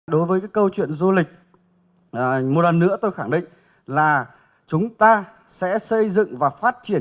đối với câu chuyện du lịch một lần nữa tôi khẳng định là chúng ta sẽ xây dựng và phát triển